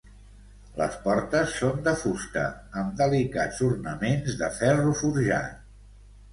Les portes són de fusta amb delicats ornaments de ferro forjat.